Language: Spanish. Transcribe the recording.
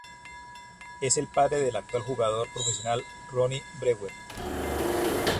Es el padre del actual jugador profesional Ronnie Brewer.